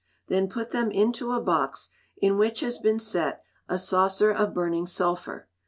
Then put them into a box in which has been set a saucer of burning sulphur.